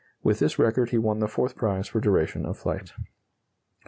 (With this record he won the fourth prize for duration of flight.)